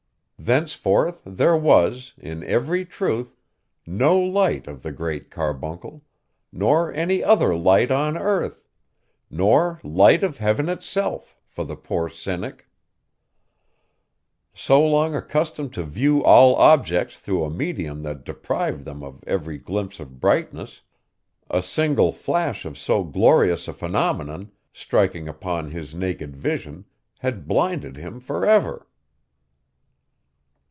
Thenceforth there was, in very truth, no light of the Great Carbuncle, nor any other light on earth, nor light of heaven itself, for the poor Cynic. So long accustomed to View all objects through a medium that deprived them of every glimpse of brightness, a single flash of so glorious a phenomenon, striking upon his naked vision, had blinded him forever.